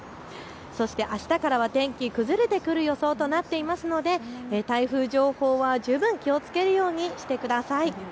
そして、あしたからは天気崩れてくる予想となっていますので台風情報は十分気をつけるようにしてください。